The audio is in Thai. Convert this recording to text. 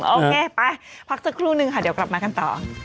โอเคไปพักสักครู่นึงค่ะเดี๋ยวกลับมากันต่อ